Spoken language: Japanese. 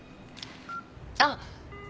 あっ！